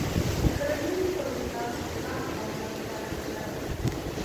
د کرنیزو تولیداتو پراخ بازار ته اړتیا ده.